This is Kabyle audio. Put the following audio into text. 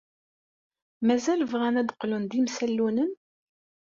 Mazal bɣan ad qqlen d imsallunen?